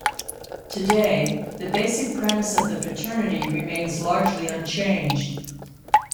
Today, the basic premise of the fraternity remains largely unchanged.